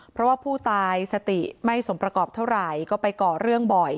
เพราะว่าผู้ตายสติไม่สมประกอบเท่าไหร่ก็ไปก่อเรื่องบ่อย